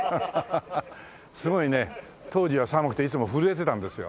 すごいね当時は寒くていつも震えてたんですよ。